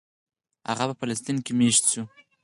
هغه په فلسطین کې مېشت شو.